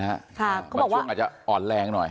บันชุมอาจจะอ่อนแรงหน่อย